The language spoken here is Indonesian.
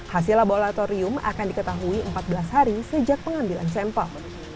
hasil laboratorium akan diketahui empat belas hari sejak pengambilan sampel